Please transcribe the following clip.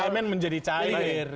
parlemen menjadi cair